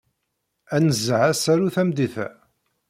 Ad nnezzeh asaru tameddit-a.